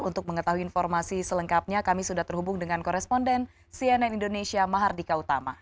untuk mengetahui informasi selengkapnya kami sudah terhubung dengan koresponden cnn indonesia mahardika utama